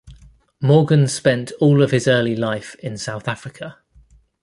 Morgan spent all of his early life in South Africa.